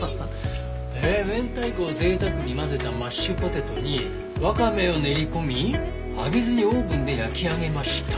「明太子を贅沢に混ぜたマッシュポテトにワカメを練りこみ揚げずにオーブンで焼き上げました」